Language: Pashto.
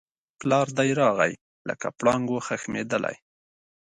پلار دی راغی لکه پړانګ وو خښمېدلی